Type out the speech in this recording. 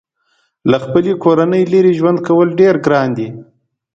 له خپلې کورنۍ لرې ژوند کول ډېر ګران دي.